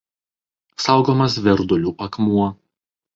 Saugomas Verdulių akmuo.